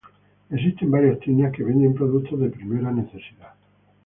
Existen varias tiendas que venden productos de primera necesidad.